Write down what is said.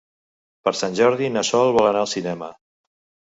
Per Sant Jordi na Sol vol anar al cinema.